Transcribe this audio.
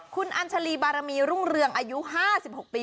คุณอัญชาลีบารมีรุ่งเรืองอายุ๕๖ปี